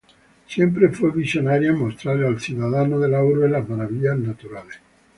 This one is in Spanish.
Siempre fue visionaria en mostrar al ciudadano de las urbes las maravillas naturales.